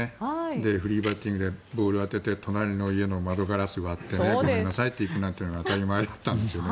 で、フリーバッティングでボールを当てて隣の家の窓ガラスを割ってごめんなさいって行くのが当たり前だったんですけどね。